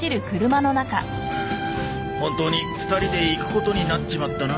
本当に２人で行くことになっちまったな。